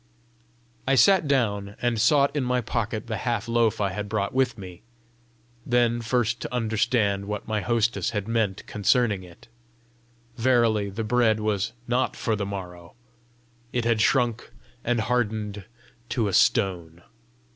I sat down, and sought in my pocket the half loaf I had brought with me then first to understand what my hostess had meant concerning it. Verily the bread was not for the morrow: it had shrunk and hardened to a stone!